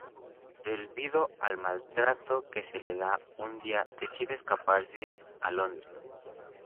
Debido al mal trato que se le da, un día decide escaparse a Londres.